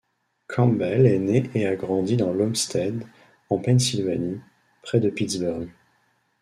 Campbell est né et a grandi dans l'Homestead en Pennsylvanie, près de Pittsburgh.